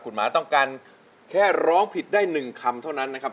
คุณหมาต้องการแค่ร้องผิดได้๑คำเท่านั้นนะครับ